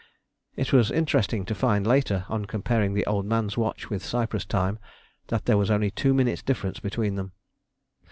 It was interesting to find later, on comparing the Old Man's watch with Cyprus time, that there was only two minutes' difference between them.